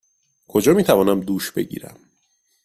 کجا می توانم دوش بگیرم؟